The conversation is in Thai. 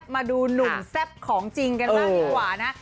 มาดูหนุ่มแซ่บของจริงกันบ้างดีกว่านะ